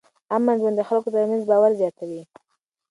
امن ژوند د خلکو ترمنځ باور زیاتوي.